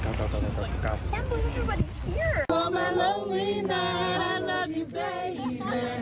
โหชัดเลยดูสิ